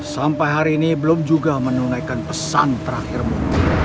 sampai hari ini belum juga menunaikan pesan terakhirmu